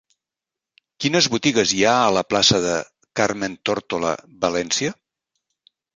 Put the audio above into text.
Quines botigues hi ha a la plaça de Carmen Tórtola Valencia?